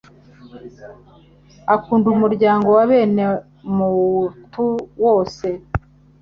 akunda umuryango wa bene muutu wose;